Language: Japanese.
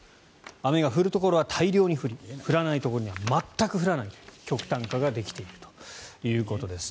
雨が降るところは大量に降り降らないところには全く降らないという極端化ができているということです。